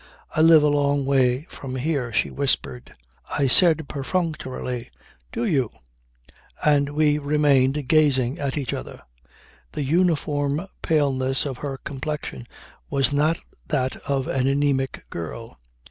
"I live a long way from here," she whispered. I said perfunctorily, "Do you?" And we remained gazing at each other. The uniform paleness of her complexion was not that of an anaemic girl.